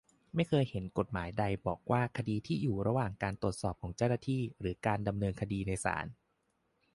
ไม่เคยเห็นกฎหมายใดบอกว่า คดีที่อยู่ระหว่างการตรวจสอบของเจ้าหน้าที่ หรือการดำเนินคดีในศาล